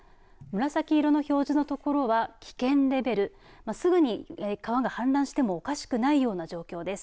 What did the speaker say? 紫色の表示のところは危険レベル、すぐに川が氾濫してもおかしくないような状況です。